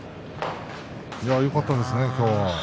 よかったですね、今日は。